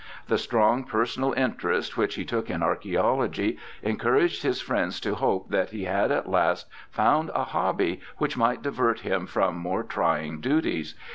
The strong personal interest which he took in Archaeology encouraged his friends to hope that he had at last found a hobby which might divert him from more trying duties.